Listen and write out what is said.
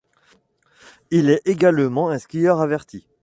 Il est également un skieur averti.